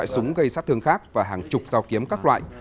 súng gây sát thương khác và hàng chục dao kiếm các loại